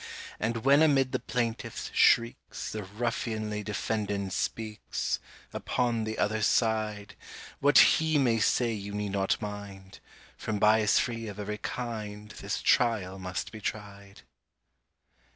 And when amid the plaintiff's shrieks, The ruffianly defendant speaks— Upon the other side; What he may say you need not mind— From bias free of every kind, This trial must be tried!